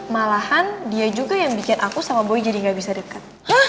malahan dia juga yang bikin aku sama boe jadi gak bisa dekat